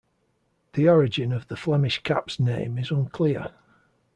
The origin of the Flemish Cap's name is unclear.